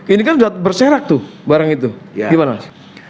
ini kan sudah berserak tuh barang itu gimana mas